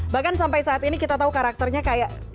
bahkan sampai saat ini kita tahu karakternya kayak